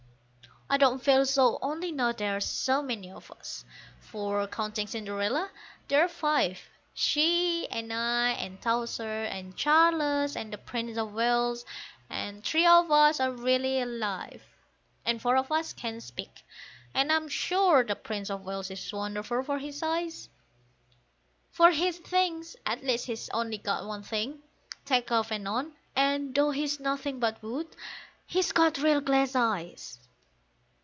I don't feel so only now there are so many of us; for, counting Cinderella there are five, She, and I, and Towser, and Charles, and the Prince of Wales and three of us are really alive; And four of us can speak, and I'm sure the Prince of Wales is wonderful for his size; For his things (at least he's only got one thing) take off and on, and, though he's nothing but wood, he's got real glass eyes.